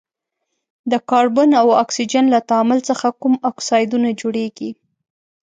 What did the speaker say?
د کاربن او اکسیجن له تعامل څخه کوم اکسایدونه جوړیږي؟